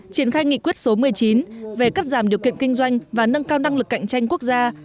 triển khai nghị quyết số một mươi chín về cắt giảm điều kiện kinh doanh và nâng cao năng lực cạnh tranh quốc gia